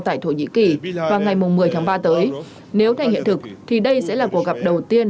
tại thổ nhĩ kỳ vào ngày một mươi tháng ba tới nếu thành hiện thực thì đây sẽ là cuộc gặp đầu tiên